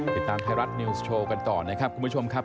ติดตามไทยรัฐนิวส์โชว์กันต่อนะครับคุณผู้ชมครับ